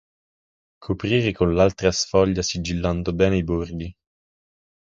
Coprire con l'altra sfoglia sigillando bene i bordi.